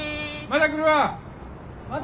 また来るわ。